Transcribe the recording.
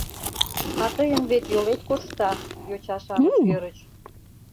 — А тыйын вет йолет коршта, — йоча-шамыч ӧрыч.